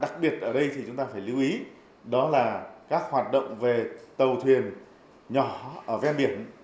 chúng ta phải lưu ý đó là các hoạt động về tàu thuyền nhỏ ở ven biển